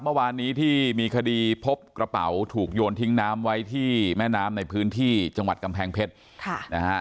เมื่อวานนี้ที่มีคดีพบกระเป๋าถูกโยนทิ้งน้ำไว้ที่แม่น้ำในพื้นที่จังหวัดกำแพงเพชรค่ะนะฮะ